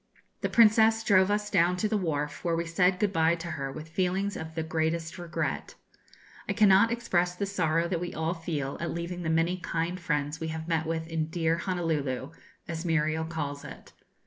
The Princess drove us down to the wharf, where we said good bye to her with feelings of the greatest regret. I cannot express the sorrow that we all feel at leaving the many kind friends we have met with in 'dear Honolulu,' as Muriel calls it.